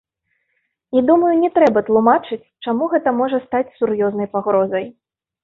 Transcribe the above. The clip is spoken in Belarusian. І думаю, не трэба тлумачыць, чаму гэта можа стаць сур'ёзнай пагрозай.